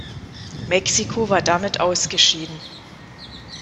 Mexiko war damit ausgeschieden.